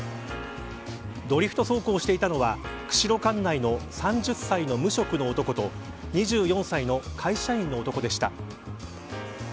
ドリフト走行していたのは釧路管内の３０歳の無職の男と２４歳の会社員の男でした。